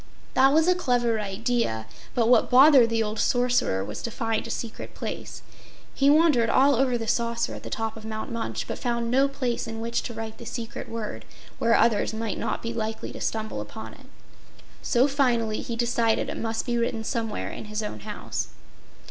That was a clever idea, but what bothered the old Sorcerer was to find a secret place. He wandered all over the Saucer at the top of Mount Munch, but found no place in which to write the secret word where others might not be likely to stumble upon it. So finally he decided it must be written somewhere in his own house.